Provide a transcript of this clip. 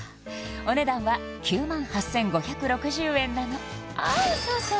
お値段は９万８５６０円なのああそうそう